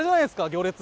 行列。